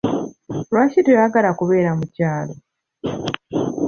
Lwaki toygala kubeera mu kyalo?